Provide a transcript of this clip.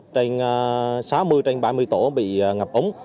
sáu mươi trên ba mươi tổ bị ngập ống